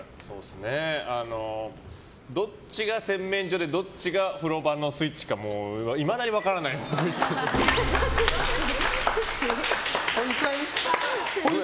どっちが洗面所でどっちが風呂場のスイッチかいまだに分からないっぽい。